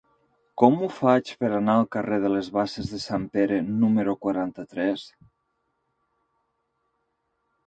Com ho faig per anar al carrer de les Basses de Sant Pere número quaranta-tres?